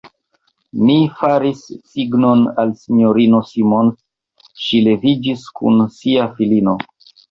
Mi faris signon al S-ino Simons: ŝi leviĝis kun sia filino.